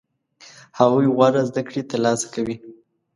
هغوی غوره زده کړې ترلاسه کوي.